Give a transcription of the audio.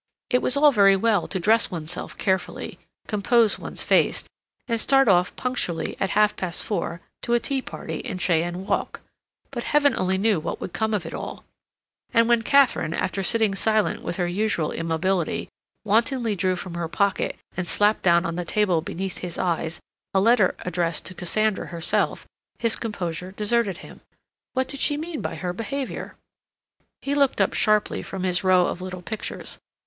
It was all very well to dress oneself carefully, compose one's face, and start off punctually at half past four to a tea party in Cheyne Walk, but Heaven only knew what would come of it all, and when Katharine, after sitting silent with her usual immobility, wantonly drew from her pocket and slapped down on the table beneath his eyes a letter addressed to Cassandra herself, his composure deserted him. What did she mean by her behavior? He looked up sharply from his row of little pictures.